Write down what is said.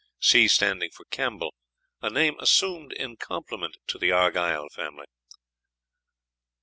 C standing for Campbell, a name assumed in compliment to the Argyll family.